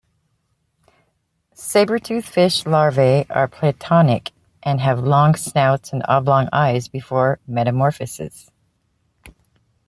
Sabertooth fish larvae are planktonic and have long snouts and oblong eyes before metamorphosis.